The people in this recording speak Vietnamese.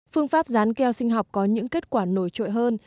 phương pháp rán keo sinh học có những kết quả nổi trội hơn